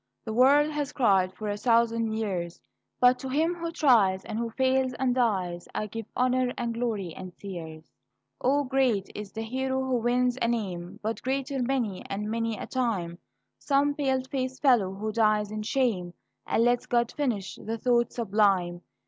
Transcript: The world has cried for a thousand years; But to him who tries, and who fails and dies, I give honor and glory and tears. O, great is the hero who wins a name! But greater many and many a time Some pale faced fellow who dies in shame, And lets God finish the thought sublime.